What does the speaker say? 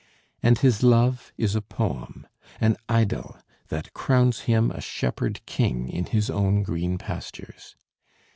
And his love is a poem, an idyl that crowns him a shepherd king in his own green pastures.